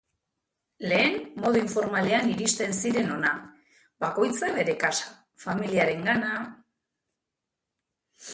Lehen modu informalean iristen ziren hona, bakoitza bere kasa, familiarengana...